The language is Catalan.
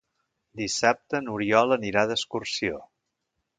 Dissabte n'Oriol anirà d'excursió.